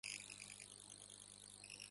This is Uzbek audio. Birinchi raqs.